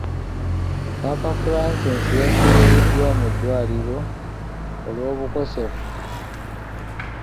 Paapa Francis yaddusiddwa mu ddwaliro olw’obukosefu.